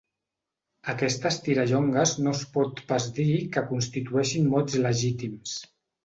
Aquestes tirallongues no es pot pas dir que constitueixin mots legítims.